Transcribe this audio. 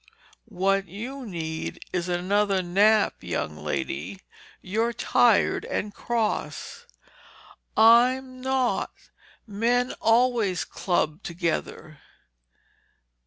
"What you need is another nap, young lady. You're tired and cross." "I'm not. Men always club together."